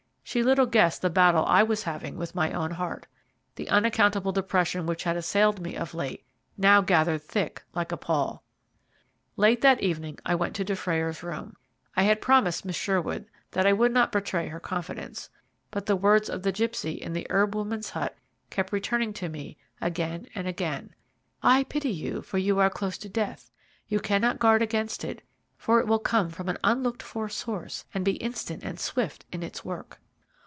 She little guessed the battle I was having with my own heart. The unaccountable depression which had assailed me of late now gathered thick like a pall. Late that evening I went to Dufrayer's room. I had promised Miss Sherwood that I would not betray her confidence, but the words of the gipsy in the herb woman's hut kept returning to me again and again: "I pity you, for you are close to death. You cannot guard against it, for it will come from an unlooked for source, and be instant and swift in its work."